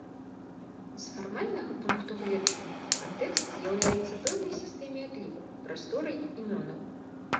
З фармальнага пункту гледжання кантэкст з'яўляецца пэўнай сістэме адліку, прасторай імёнаў.